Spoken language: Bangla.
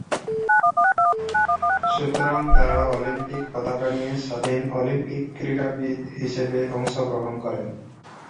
সুতরাং তারা অলিম্পিক পতাকা নিয়ে স্বাধীন অলিম্পিক ক্রীড়াবিদ হিসাবে অংশগ্রহণ করে।